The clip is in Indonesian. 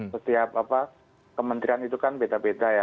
setiap kementerian itu kan beda beda ya